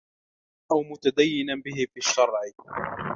أَوْ مُتَدَيَّنًا بِهِ فِي الشَّرْعِ